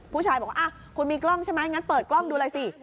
ผู้ชายบอกว่าคุณมีกล้องใช่ไหมงั้นเปิดกล้องดูเลยสิ